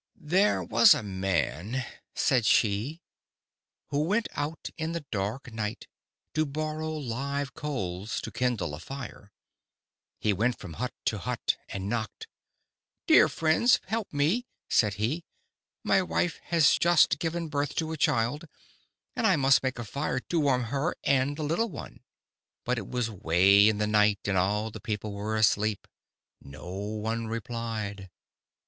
"There was a man," said she, "who went out in the dark night to borrow live coals to kindle a fire. He went from hut to hut and knocked. 'Dear friends, help me!' said he. 'My wife has just given birth to a child, and I must make a fire to warm her and the little one.' "But it was way in the night, and all the people were asleep. No one replied.